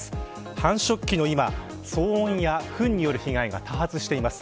繁殖期の今騒音やふんによる被害が多発しています。